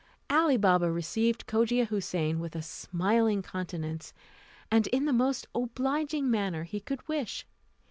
Ali Baba received Cogia Houssain with a smiling countenance, and in the most obliging manner he could wish.